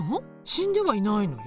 死んではいないのよ。